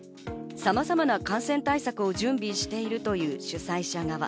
さまざまな感染対策を準備しているという主催者側。